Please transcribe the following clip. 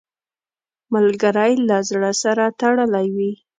ملګری له زړه سره تړلی وي